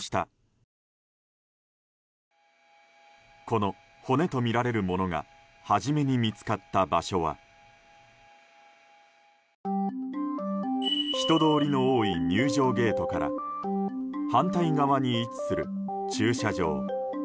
この骨とみられるものが初めに見つかった場所は人通りの多い入場ゲートから反対側に位置する駐車場。